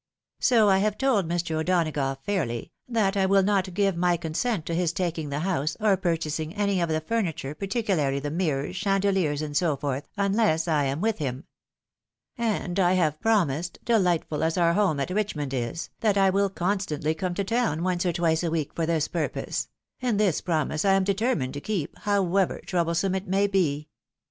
So I have told O'Donagough fairly, that I will not give my consent to his taking the house, or purchasing any of the furniture, , particularly the mirrors, chandehers, and so forth, unless I am with him. And I have promised, delightful as our home at Richmond is, that I will constantly come to town once or twice a week for this purpose ; and this promise I am determined to keep, however troublesome it may be.